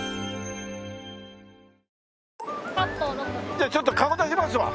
じゃあちょっと顔出しますわ。